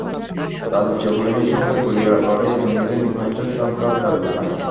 রাজ্য পুলিশের সঙ্গে গুলির লড়াইয়ে জঙ্গিদের মৃত্যু হয়েছে সরকার দাবি জানায়।